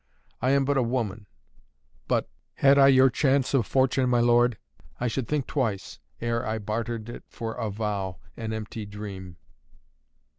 I am but a woman, but had I your chance of fortune, my lord, I should think twice, ere I bartered it for a vow, an empty dream."